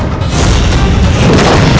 untuk bisa menolong paman